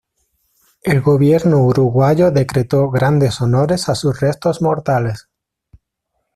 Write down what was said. El Gobierno uruguayo decretó grandes honores a sus restos mortales.